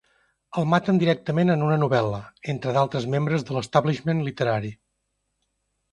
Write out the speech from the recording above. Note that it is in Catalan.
El maten directament en una novel·la, entre d'altres membres de l'establishment literari.